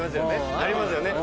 ありますよね。